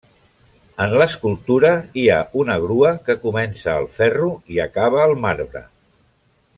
En l'escultura, hi ha una grua, que comença al ferro i acaba al marbre.